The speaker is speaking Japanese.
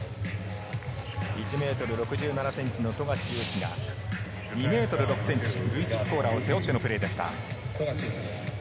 １ｍ６７ｃｍの富樫勇樹が２ｍ６ｃｍ、ルイス・スコーラを背負ってのプレーでした。